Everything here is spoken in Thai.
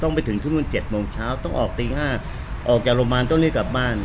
ไปถึงทุ่ม๗โมงเช้าต้องออกตี๕ออกจากโรงพยาบาลต้องรีบกลับบ้าน